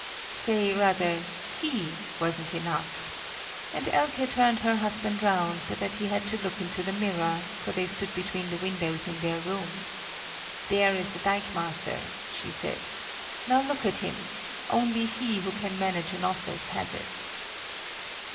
"Say rather: he wasn't enough," and Elke turned her husband round so that he had to look into the mirror, for they stood between the windows in their room. "There is the dikemaster!" she said; "now look at him; only he who can manage an office has it."